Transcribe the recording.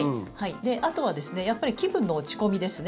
あとはやっぱり気分の落ち込みですね。